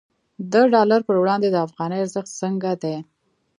د ډالر پر وړاندې د افغانۍ ارزښت څنګه دی؟